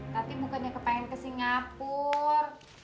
nanti bukannya kepengen ke singapur